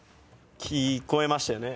聞こえましたよね。